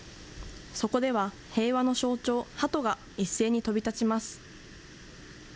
そこでは、平和の象徴、ハトが一斉に飛び立ちます。